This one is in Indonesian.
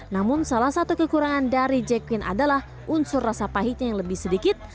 namun salah satu kekurangan dari jequine adalah unsur rasa pahitnya yang lebih sedikit